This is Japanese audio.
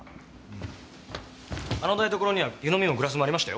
あの台所には湯のみもグラスもありましたよ。